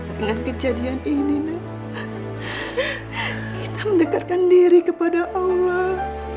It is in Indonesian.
dengan kejadian ini nak kita mendekatkan diri kepada allah